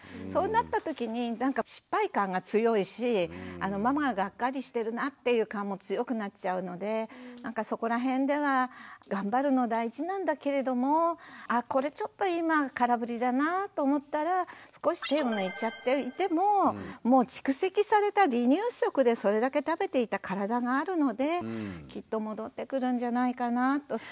そうなった時になんか失敗感が強いしママががっかりしてるなっていう感も強くなっちゃうのでなんかそこら辺では頑張るの大事なんだけれどもあこれちょっと今空振りだなぁと思ったら少し手を抜いちゃっていてももう蓄積された離乳食でそれだけ食べていた体があるのできっと戻ってくるんじゃないかなぁと。